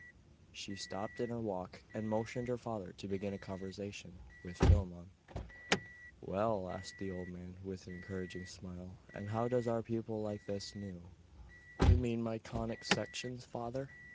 She stopped in her walk, and motioned her father to begin a conversation with Philammon. 'Well!' asked the old man, with an encouraging smile, 'and how does our pupil like his new ' 'You mean my conic sections, father?